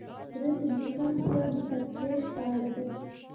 درې پنځوسم سوال د تفتیش په اړه دی.